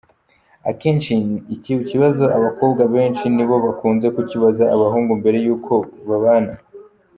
Akenshi iki kibazo abakobwa benshi nibo bakunze kukibaza abahungu mbere y’uko babana .